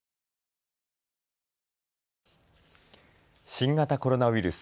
新型コロナウイルス。